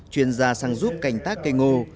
chuyên gia sang giúp cành tác cây ngô